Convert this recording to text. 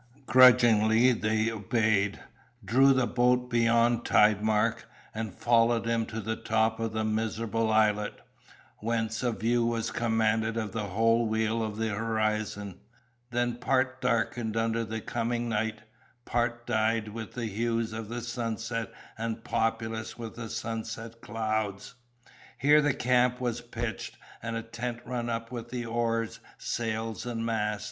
Grudgingly they obeyed, drew the boat beyond tidemark, and followed him to the top of the miserable islet, whence a view was commanded of the whole wheel of the horizon, then part darkened under the coming night, part dyed with the hues of the sunset and populous with the sunset clouds. Here the camp was pitched and a tent run up with the oars, sails, and mast.